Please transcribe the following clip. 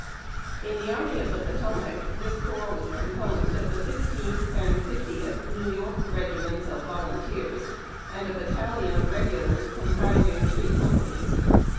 In the Army of the Potouiac this corps was composed of the Fifteenth and Fiftieth New York regiments of volun teers and a battalion of regulars comprising three companies.